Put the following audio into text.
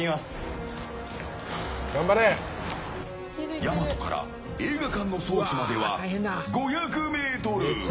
やまとから映画館の装置までは５００ｍ。